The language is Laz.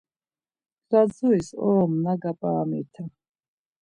Lazuris oromna gap̌aramiten.